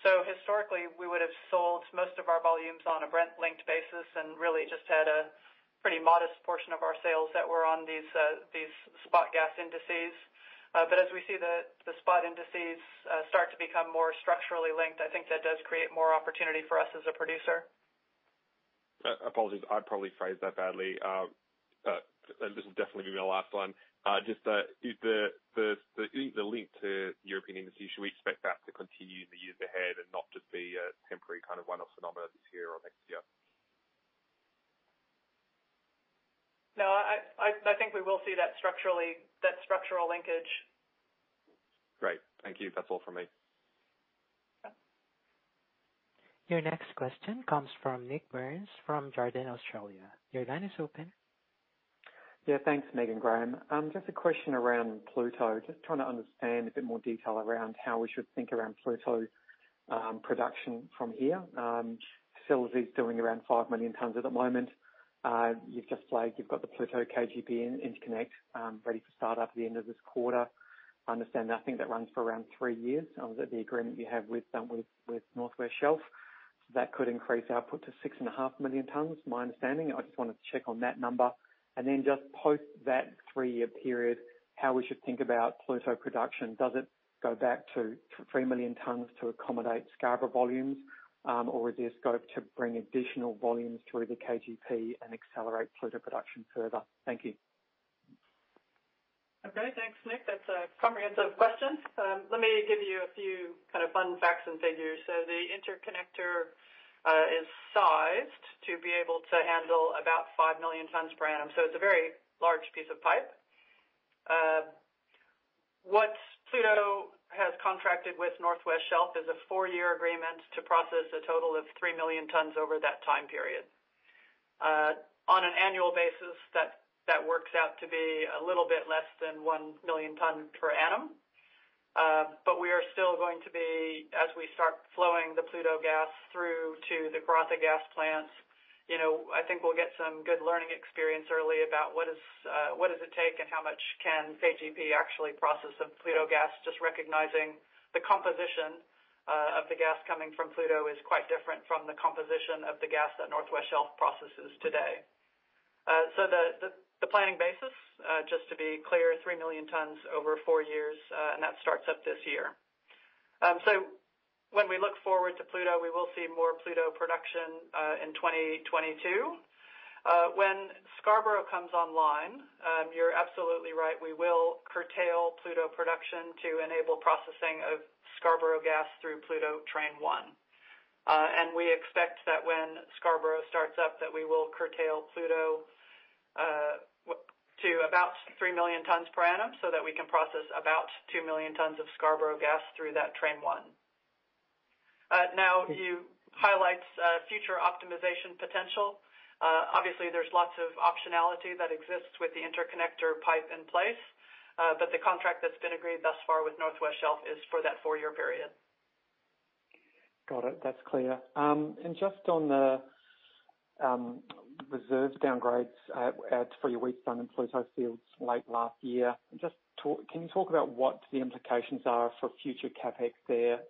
Historically, we would have sold most of our volumes on a Brent-linked basis and really just had a pretty modest portion of our sales that were on these spot gas indices. As we see the spot indices start to become more structurally linked, I think that does create more opportunity for us as a producer. Apologies. I probably phrased that badly. This will definitely be my last one. Just, is the link to European indices, should we expect that to continue in the years ahead and not just be a temporary kind of one-off phenomenon this year or next year? No, I think we will see that structurally, that structural linkage. Great. Thank you. That's all for me. Your next question comes from Nik Burns from Jarden Australia. Your line is open. Yeah. Thanks, Meg and Graham. Just a question around Pluto. Just trying to understand a bit more detail around how we should think around Pluto production from here. Sales is doing around 5 million tons at the moment. You've just flagged, you've got the Pluto KGP interconnect ready to start up at the end of this quarter. I understand. I think that runs for around 3 years, the agreement you have with North West Shelf. That could increase output to 6.5 million tons, my understanding. I just wanted to check on that number. Then just post that 3-year period, how we should think about Pluto production. Does it go back to 3 million tons to accommodate Scarborough volumes? Or is there scope to bring additional volumes through the KGP and accelerate Pluto production further? Thank you. Okay. Thanks, Nik. That's a comprehensive question. Let me give you a few kind of fun facts and figures. The interconnector is sized to be able to handle about 5 million tons per annum, so it's a very large piece of pipe. What Pluto has contracted with North West Shelf is a 4-year agreement to process a total of 3 million tons over that time period. On an annual basis, that works out to be a little bit less than 1 million tons per annum. We are still going to be as we start flowing the Pluto gas through to the Karratha Gas Plant, you know, I think we'll get some good learning experience early about what does it take and how much can KGP actually process of Pluto gas. Just recognizing the composition of the gas coming from Pluto is quite different from the composition of the gas that North West Shelf processes today. So the planning basis, just to be clear, 3 million tons over 4 years, and that starts up this year. So when we look forward to Pluto, we will see more Pluto production in 2022. When Scarborough comes online, you're absolutely right, we will curtail Pluto production to enable processing of Scarborough gas through Pluto Train 1. And we expect that when Scarborough starts up, that we will curtail Pluto to about 3 million tons per annum, so that we can process about 2 million tons of Scarborough gas through that Train 1. Now you highlight future optimization potential. Obviously, there's lots of optionality that exists with the interconnector pipe in place, but the contract that's been agreed thus far with North West Shelf is for that four-year period. Got it. That's clear. Just on the reserves downgrades at your Wheatstone and Pluto fields late last year, can you talk about what the implications are for future CapEx there?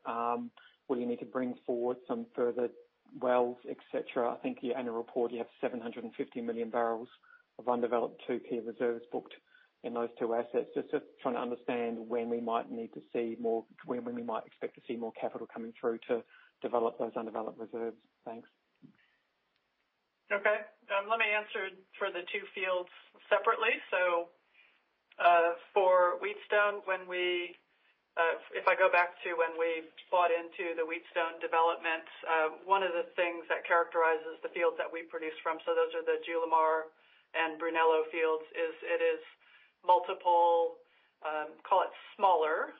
Will you need to bring forward some further wells, et cetera? I think in your annual report you have 750 million barrels of undeveloped 2P reserves booked in those two assets. Just trying to understand when we might expect to see more capital coming through to develop those undeveloped reserves. Thanks. Okay. Let me answer for the two fields separately. For Wheatstone, when we, if I go back to when we bought into the Wheatstone development, one of the things that characterizes the fields that we produce from, so those are the Julimar and Brunello fields, is multiple, call it smaller,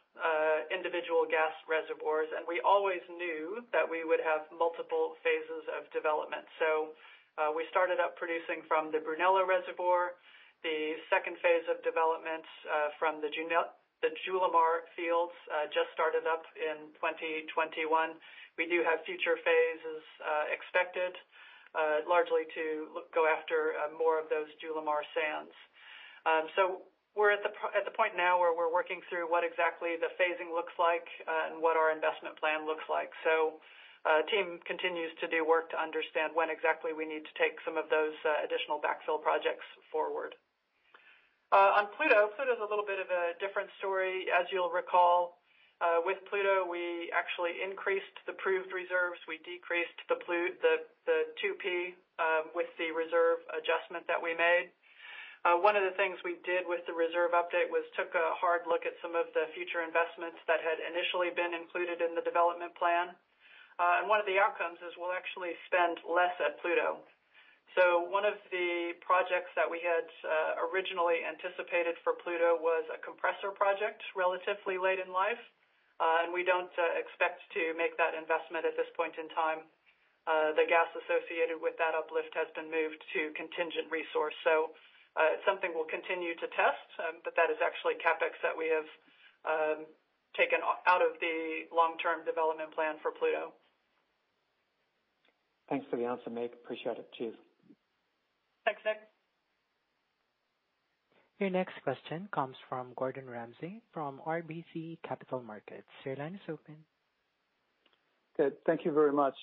individual gas reservoirs. We always knew that we would have multiple phases of development. We started up producing from the Brunello reservoir. The second phase of development, from the Julimar fields, just started up in 2021. We do have future phases expected, largely to go after more of those Julimar sands. We're at the point now where we're working through what exactly the phasing looks like, and what our investment plan looks like. Team continues to do work to understand when exactly we need to take some of those additional backfill projects forward. On Pluto's a little bit of a different story. As you'll recall, with Pluto, we actually increased the proved reserves. We decreased the 2P with the reserve adjustment that we made. One of the things we did with the reserve update was took a hard look at some of the future investments that had initially been included in the development plan. One of the outcomes is we'll actually spend less at Pluto. One of the projects that we had originally anticipated for Pluto was a compressor project relatively late in life. We don't expect to make that investment at this point in time. The gas associated with that uplift has been moved to contingent resource. It's something we'll continue to test, but that is actually CapEx that we have taken out of the long-term development plan for Pluto. Thanks for the answer, Meg. Appreciate it. Cheers. Thanks, Nik. Your next question comes from Gordon Ramsay from RBC Capital Markets. Your line is open. Good. Thank you very much.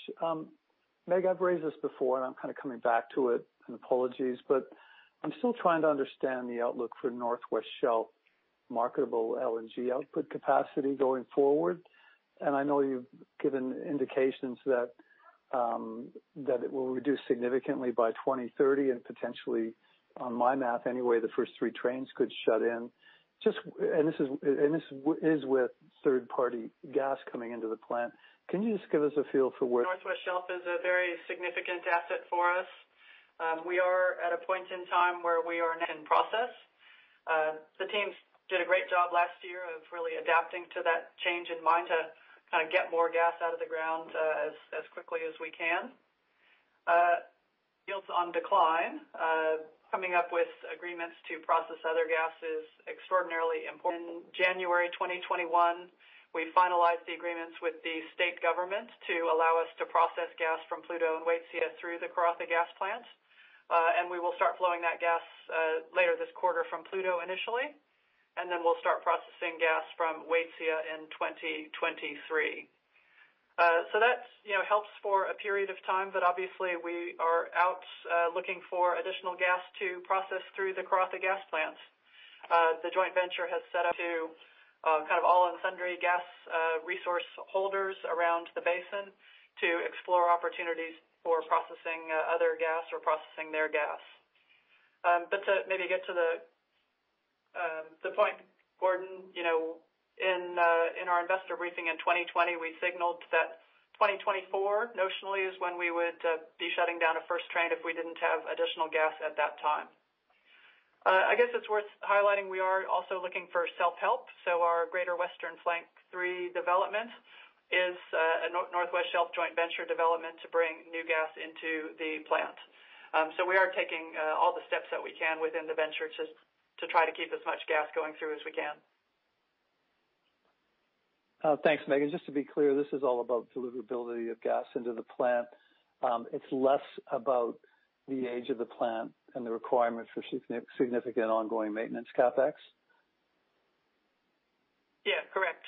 Meg, I've raised this before, and I'm kind of coming back to it, and apologies, but I'm still trying to understand the outlook for North West Shelf marketable LNG output capacity going forward. I know you've given indications that it will reduce significantly by 2030 and potentially, on my math anyway, the first three trains could shut in. This is with third-party gas coming into the plant. Can you just give us a feel for where North West Shelf is a very significant asset for us. We are at a point in time where we are in process. The teams did a great job last year of really adapting to that change in mindset to kind of get more gas out of the ground as quickly as we can. Yields on decline coming up with agreements to process other gas is extraordinarily important. In January 2021, we finalized the agreements with the state government to allow us to process gas from Pluto and Waitsia through the Karratha Gas Plant. We will start flowing that gas later this quarter from Pluto initially, and then we'll start processing gas from Waitsia in 2023. That's, you know, helps for a period of time, but obviously we are out looking for additional gas to process through the Karratha Gas Plant. The joint venture has set up to kind of align in-basin gas resource holders around the basin to explore opportunities for processing other gas or processing their gas. To maybe get to the point, Gordon, you know, in our investor briefing in 2020, we signaled that 2024 notionally is when we would be shutting down the first train if we didn't have additional gas at that time. I guess it's worth highlighting, we are also looking for self-help; our Greater Western Flank 3 development is a North West Shelf joint venture development to bring new gas into the plant. We are taking all the steps that we can within the venture to try to keep as much gas going through as we can. Thanks, Meg. Just to be clear, this is all about deliverability of gas into the plant. It's less about the age of the plant and the requirement for significant ongoing maintenance CapEx. Yeah. Correct.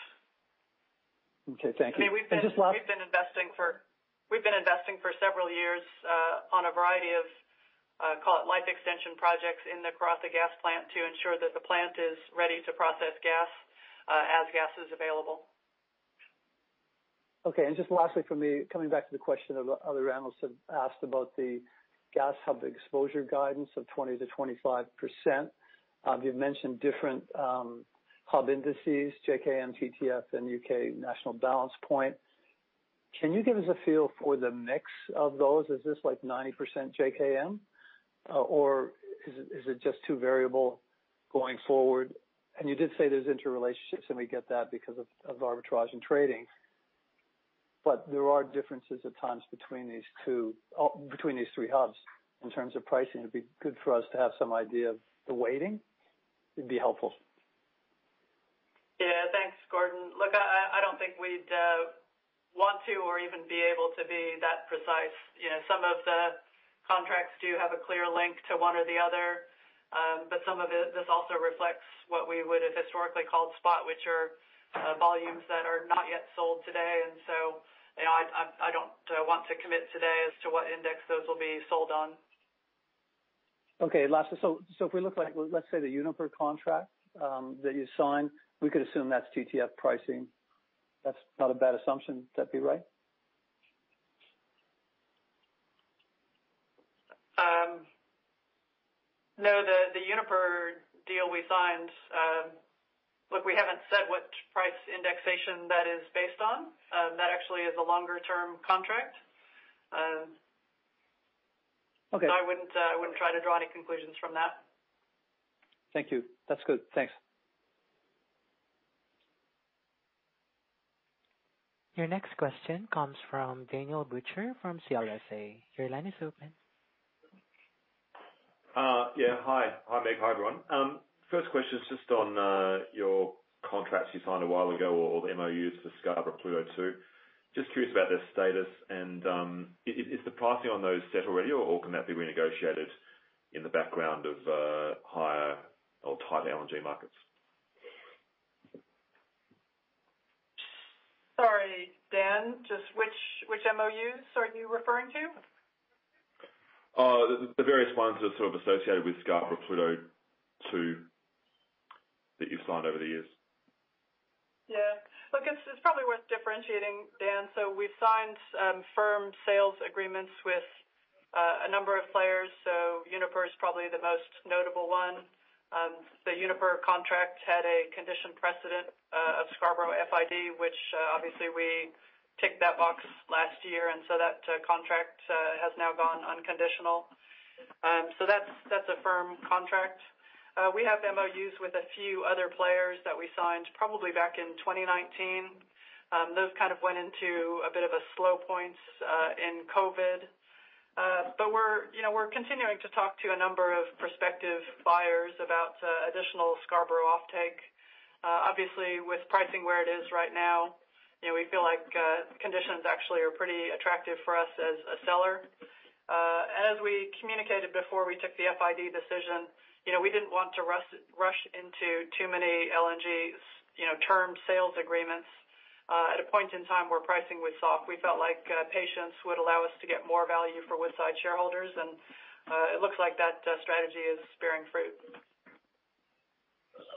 Okay. Thank you. I mean, we've been investing for several years on a variety of, call it life extension projects in the Karratha Gas Plant to ensure that the plant is ready to process gas as gas is available. Okay. Just lastly from me, coming back to the question of other analysts have asked about the gas hub exposure guidance of 20%-25%. You've mentioned different hub indices, JKM, TTF, and UK National Balancing Point. Can you give us a feel for the mix of those? Is this like 90% JKM or is it just too variable going forward? You did say there's interrelationships, and we get that because of arbitrage and trading. There are differences at times between these three hubs in terms of pricing. It'd be good for us to have some idea of the weighting. It'd be helpful. Yeah. Thanks, Gordon. Look, I don't think we'd want to or even be able to be that precise. You know, some of the contracts do have a clear link to one or the other. But some of it, this also reflects what we would have historically called spot, which are volumes that are not yet sold today. You know, I don't want to commit today as to what index those will be sold on. Okay. Lastly, if we look at, like, let's say, the Uniper contract that you signed, we could assume that's TTF pricing. That's not a bad assumption. Would that be right? No. The Uniper deal we signed. Look, we haven't said what price indexation that is based on. That actually is a longer-term contract. Okay. I wouldn't try to draw any conclusions from that. Thank you. That's good. Thanks. Your next question comes from Daniel Butcher from CLSA. Your line is open. Yeah. Hi. Hi, Meg. Hi, everyone. First question is just on your contracts you signed a while ago or the MOUs for Scarborough Pluto Two. Just curious about their status and is the pricing on those set already or can that be renegotiated in the background of higher or tight LNG markets? Sorry, Dan, just which MOUs are you referring to? The various ones that are sort of associated with Scarborough Pluto Two that you've signed over the years. Yeah. Look, it's probably worth differentiating, Dan. We've signed firm sales agreements with a number of players. Uniper is probably the most notable one. The Uniper contract had a condition precedent of Scarborough FID, which obviously we ticked that box last year, and so that contract has now gone unconditional. That's a firm contract. We have MOUs with a few other players that we signed probably back in 2019. Those kind of went into a bit of a slowdown in COVID. We're, you know, continuing to talk to a number of prospective buyers about additional Scarborough offtake. Obviously, with pricing where it is right now, you know, we feel like conditions actually are pretty attractive for us as a seller. As we communicated before we took the FID decision, you know, we didn't want to rush into too many LNG, you know, term sales agreements at a point in time where pricing was soft. We felt like patience would allow us to get more value for Woodside shareholders, and it looks like that strategy is bearing fruit.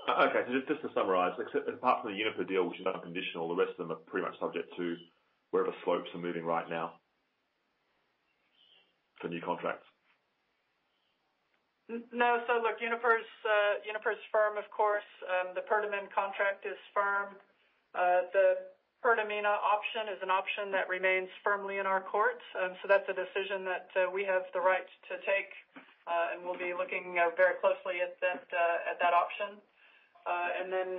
Okay. Just to summarize, except apart from the Uniper deal, which is now unconditional, the rest of them are pretty much subject to wherever spot prices are moving right now for new contracts. Look, Uniper's firm, of course. The Pertamina contract is firm. The Pertamina option is an option that remains firmly in our court. That's a decision that we have the right to take, and we'll be looking very closely at that option. Then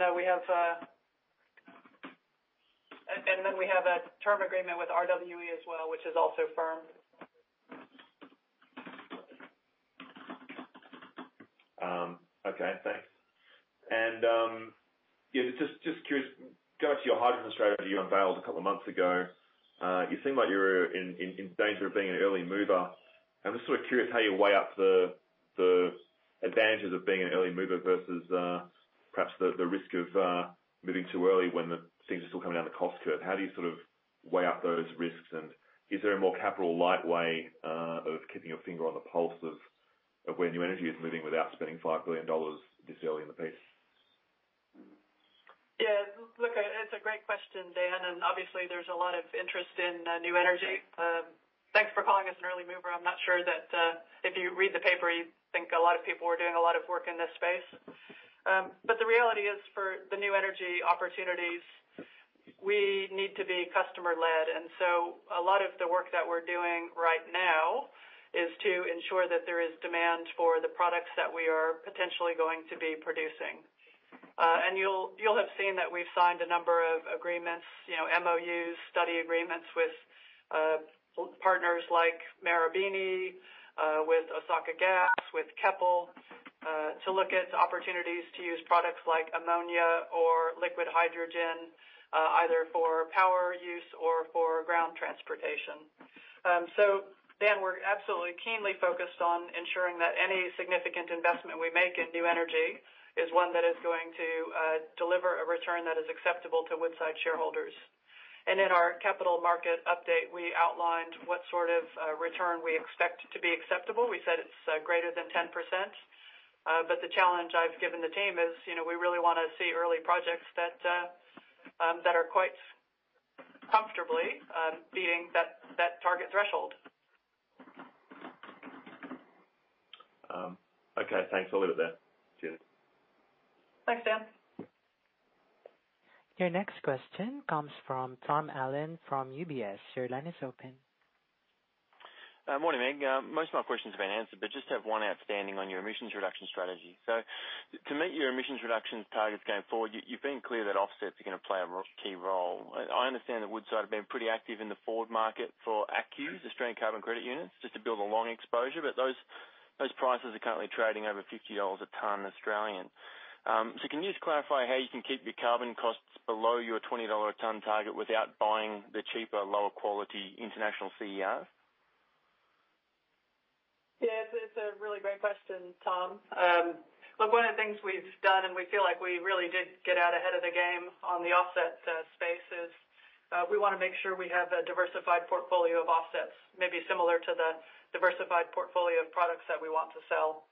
we have a term agreement with RWE as well, which is also firm. Okay, thanks. Yeah, just curious, going to your hydrogen strategy you unveiled a couple of months ago, you seem like you're in danger of being an early mover. I'm just sort of curious how you weigh up the advantages of being an early mover versus perhaps the risk of moving too early when things are still coming down the cost curve. How do you sort of weigh up those risks? Is there a more capital light way of keeping your finger on the pulse of where new energy is moving without spending $5 billion this early in the piece? Yeah. Look, it's a great question, Dan, and obviously there's a lot of interest in new energy. Thanks for calling us an early mover. I'm not sure that if you read the paper, you'd think a lot of people were doing a lot of work in this space. The reality is for the new energy opportunities, we need to be customer-led. A lot of the work that we're doing right now is to ensure that there is demand for the products that we are potentially going to be producing. You'll have seen that we've signed a number of agreements, you know, MOUs, study agreements with partners like Marubeni, with Osaka Gas, with Keppel, to look at opportunities to use products like ammonia or liquid hydrogen, either for power use or for ground transportation. Dan, we're absolutely keenly focused on ensuring that any significant investment we make in new energy is one that is going to deliver a return that is acceptable to Woodside shareholders. In our capital market update, we outlined what sort of return we expect to be acceptable. We said it's greater than 10%. The challenge I've given the team is, you know, we really wanna see early projects that are quite comfortably beating that target threshold. Okay, thanks. I'll leave it there. Cheers. Thanks, Dan. Your next question comes from Tom Allen from UBS. Your line is open. Morning, Meg. Most of my questions have been answered. I just have one outstanding on your emissions reduction strategy. To meet your emissions reductions targets going forward, you've been clear that offsets are gonna play a key role. I understand that Woodside have been pretty active in the forward market for ACCUs, Australian Carbon Credit Units, just to build a long exposure, but those prices are currently trading over 50 dollars a ton. Can you just clarify how you can keep your carbon costs below your $20 a ton target without buying the cheaper, lower quality international CERs? Yes, it's a really great question, Tom. Look, one of the things we've done, and we feel like we really did get out ahead of the game on the offset space, is we wanna make sure we have a diversified portfolio of offsets, maybe similar to the diversified portfolio of products that we want to sell.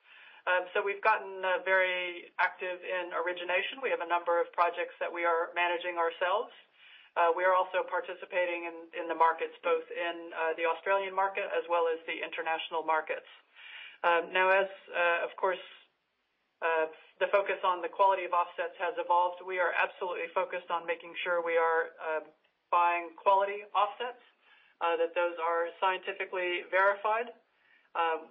We've gotten very active in origination. We have a number of projects that we are managing ourselves. We are also participating in the markets, both in the Australian market as well as the international markets. Now, as of course, the focus on the quality of offsets has evolved, we are absolutely focused on making sure we are buying quality offsets that those are scientifically verified.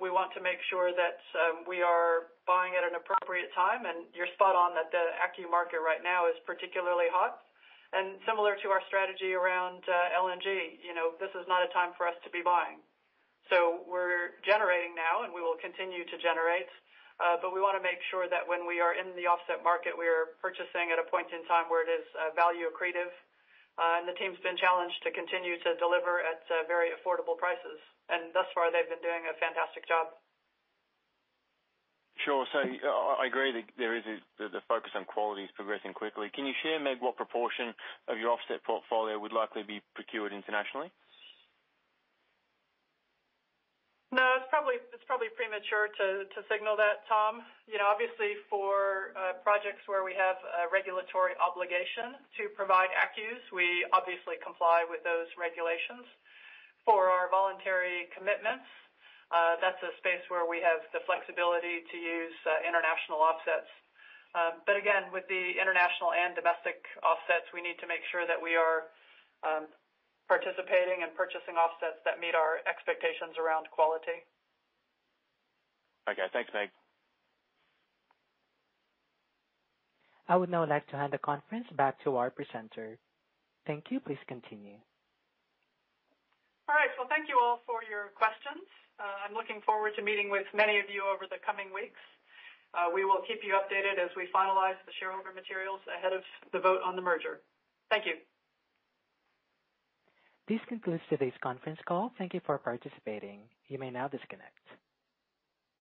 We want to make sure that we are buying at an appropriate time, and you're spot on that the ACCU market right now is particularly hot. Similar to our strategy around LNG, you know, this is not a time for us to be buying. We're generating now, and we will continue to generate, but we wanna make sure that when we are in the offset market, we are purchasing at a point in time where it is value accretive. The team's been challenged to continue to deliver at very affordable prices. Thus far, they've been doing a fantastic job. Sure. I agree that there is the focus on quality is progressing quickly. Can you share, Meg, what proportion of your offset portfolio would likely be procured internationally? No, it's probably premature to signal that, Tom. You know, obviously for projects where we have a regulatory obligation to provide ACCUs, we obviously comply with those regulations. For our voluntary commitments, that's a space where we have the flexibility to use international offsets. Again, with the international and domestic offsets, we need to make sure that we are participating and purchasing offsets that meet our expectations around quality. Okay. Thanks, Meg. I would now like to hand the conference back to our presenter. Thank you. Please continue. All right. Thank you all for your questions. I'm looking forward to meeting with many of you over the coming weeks. We will keep you updated as we finalize the shareholder materials ahead of the vote on the merger. Thank you. This concludes today's conference call. Thank you for participating. You may now disconnect.